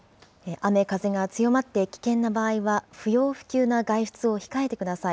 雨、風が強まって危険な場合は、不要不急な外出を控えてください。